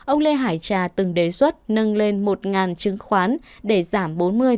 ông lê hải trà từng đề xuất nâng lên một chứng khoán để giảm bốn mươi năm mươi